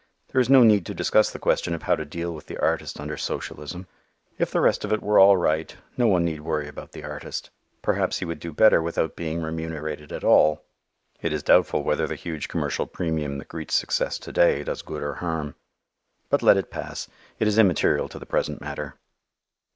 There is no need to discuss the question of how to deal with the artist under socialism. If the rest of it were all right, no one need worry about the artist. Perhaps he would do better without being remunerated at all. It is doubtful whether the huge commercial premium that greets success to day does good or harm. But let it pass. It is immaterial to the present matter.